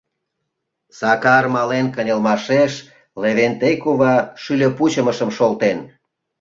Сакар мален кынелмашеш Левентей кува шӱльӧ пучымышым шолтен.